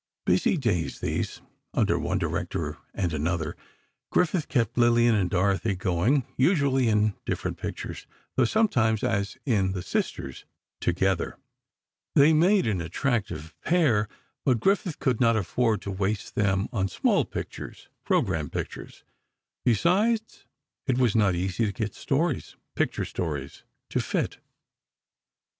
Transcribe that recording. Busy days, these. Under one director and another, Griffith kept Lillian and Dorothy going, usually in different pictures, though sometimes, as in "The Sisters," together. They made an attractive pair, but Griffith could not afford to waste them on small pictures—"program" pictures—besides, it was not easy to get stories—picture stories—to fit.